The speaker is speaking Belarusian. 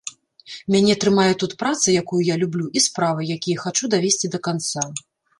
Мяне трымае тут праца, якую я люблю, і справы, якія хачу давесці да канца.